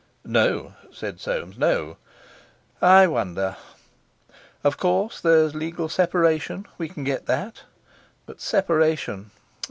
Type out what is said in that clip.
"No," said Soames; "no! I wonder! Of course, there's legal separation—we can get that. But separation!